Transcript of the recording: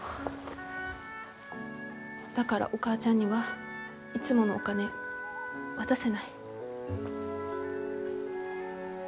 だからお母ちゃんにはいつものお金渡せない。